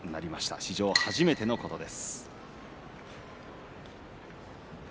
史上初めてのことです。